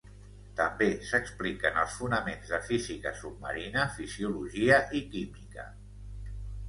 També s'expliquen els fonaments de física submarina, fisiologia i química.